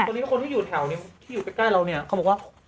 คนที่อยู่แถวนี้ที่อยู่ใกล้เราเนี่ยเขาบอกว่า